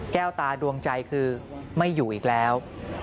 ตาดวงใจคือไม่อยู่อีกแล้ว